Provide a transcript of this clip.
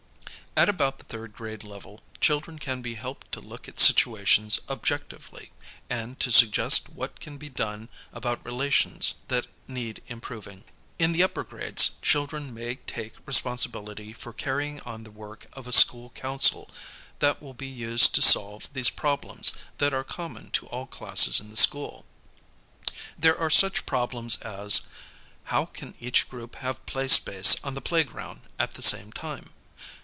' At about the third grade level, children can be helped to look at situations objectively, and to suggest what can be done about relations that need improving. In the upper grades children may take responsibility for carrying on the work of a school council lliat will Ix^ used to solve those problems that are common to all classes in the school. There are such problems as, "How can each group have play space on the playground at the same time?"